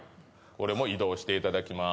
これも移動していただきます